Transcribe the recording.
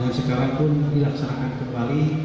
dan sekarang pun dilaksanakan kembali